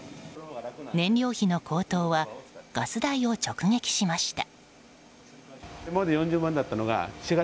燃料費の高騰はガス代を直撃しました。